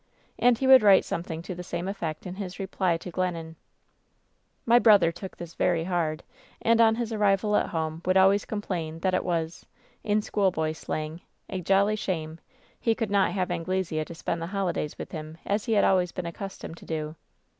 "And he would write something to the same effect in his reply to Glennon. WHEN SHADOWS DIE 817 "My brother took this very hard, and on his arrival at home would always complain that it was — in school boy slang — ^^a jolly shame' he could not have Anglesea to spend the holidays with him as he had always been accustomed to do.